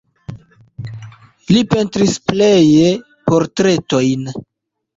Li pentris pleje portretojn.